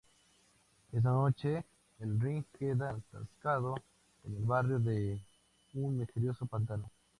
Esa noche, el Rig queda atascado en el barro de un misterioso pantano.